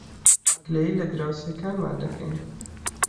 گلەیی لە دراوسێکانمان دەکەین.